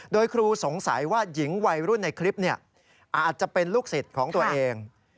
โดยครูสงสัยว่าหญิงวัยรุ่นในคลิปอาจจะเป็นลูกศิษย์ของตัวเอง